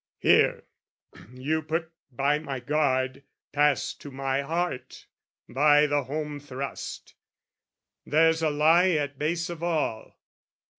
Here you put by my guard, pass to my heart By the home thrust "There's a lie at base of all."